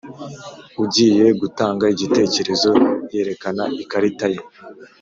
ugiye gutanga igitekerezo yerekana ikarita ye